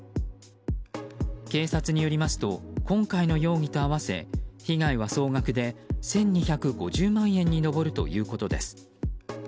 警察によりますと今回の容疑と合わせ被害は、総額で１２５０万円に上るということです。